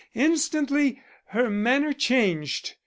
Instantly her manner changed.